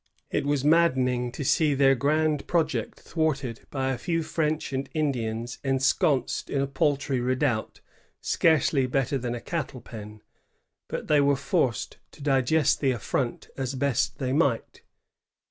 It was maddening to see their grand project thwarted by a few French and Indians ensconced in a paltry redoubt, scarcely better than a cattle pen; but they were forced to digest the affront as best they might.